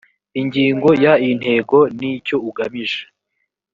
ingingo ya intego n icyo ugamije